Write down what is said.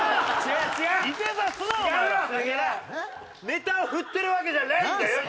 ネタを振ってるわけじゃないんだよ！